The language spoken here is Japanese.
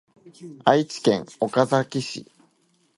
愛知県岡崎市